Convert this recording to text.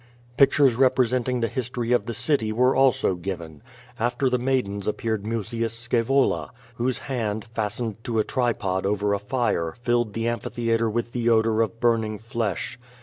Pictures representing the history of the city were also given. After the maidens appeared Musius Scaevola, whose hand, fastened to a tripod over a fire, filled the amphitheatre with the odor of burning flesh.